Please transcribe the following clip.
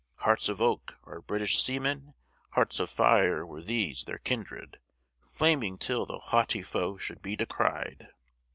"Hearts of oak" are British seamen? Hearts of fire were these, their kindred, Flaming till the haughty foe should be descried!